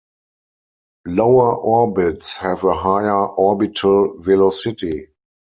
Lower orbits have a higher orbital velocity.